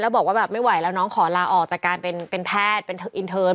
บอกว่าแบบไม่ไหวแล้วน้องขอลาออกจากการเป็นแพทย์เป็นอินเทิร์น